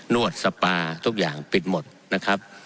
วดสปาทุกอย่างปิดหมดนะครับ